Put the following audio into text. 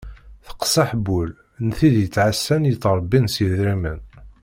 Teqsaḥ n wul n tid i yettɛassan i yettrebbin s yedrimen.